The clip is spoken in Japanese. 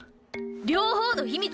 両方の秘密